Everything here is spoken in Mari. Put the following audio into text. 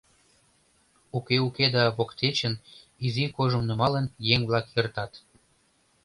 Уке-уке да воктечын, изи кожым нумалын, еҥ-влак эртат.